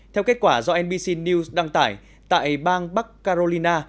theo kết quả do nbc news đăng tải tại bang bắc carolina